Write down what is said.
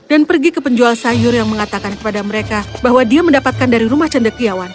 dan pergi ke penjual sayur yang mengatakan kepada mereka bahwa dia mendapatkan dari rumah cendekiawan